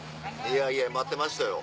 いやいや待ってましたよ。